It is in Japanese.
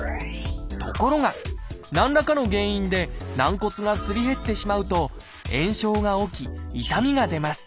ところが何らかの原因で軟骨がすり減ってしまうと炎症が起き痛みが出ます。